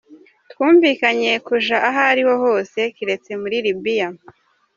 "Twumvikanye kuja ahariho hose kiretse muri Libiya.